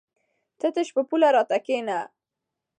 ته تش په پوله راته کېنه!